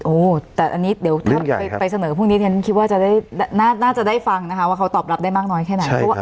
โอ้แต่อันนี้เดี๋ยวไปเสนอพรุ่งนี้น่าจะได้ฟังว่าเขาตอบรับได้มากน้อยแค่ไหน